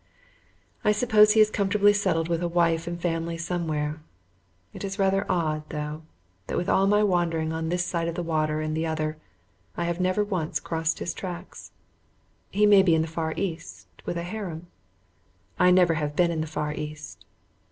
I suppose he is comfortably settled with a wife and family somewhere. It is rather odd, though, that with all my wandering on this side of the water and the other I have never once crossed his tracks. He may be in the Far East, with a harem. I never have been in the Far East.